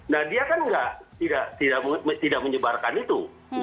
nah dia kan tidak menyebarkan itu